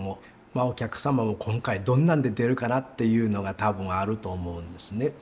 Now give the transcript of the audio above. まあお客様も今回どんなんで出るかなっていうのが多分あると思うんですね。